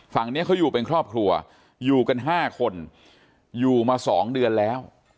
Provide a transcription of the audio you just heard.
ฝั่งนี้เขาอยู่เป็นครอบครัวอยู่กัน๕คนอยู่มา๒เดือนแล้ว